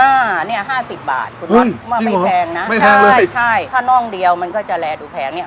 อ่าเนี้ยห้าสิบบาทคุณวัดว่าไม่แพงนะไม่แพงเลยใช่ถ้าน่องเดียวมันก็จะแลดูแพงเนี่ย